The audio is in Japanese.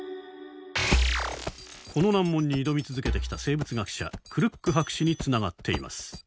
この難問に挑み続けてきた生物学者クルック博士につながっています。